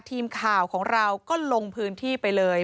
ทีมข่าวของเราก็ลงพื้นที่ไปเลย